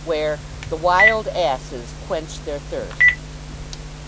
WHERE "THE WILD ASSES QUENCH THEIR THIRST."